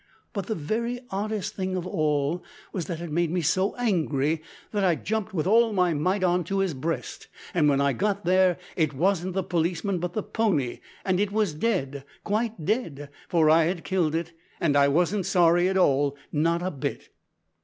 But the very oddest thing of all was that it made me so angry that I jumped with all my might on to his breast, and when I got there it wasn't the policeman but the pony! and it was dead quite dead, for I had killed it, and I wasn't sorry at all not a bit!"